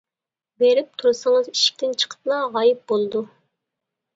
بېرىپ تۇرسىڭىز ئىشىكتىن چىقىپلا غايىب بولىدۇ.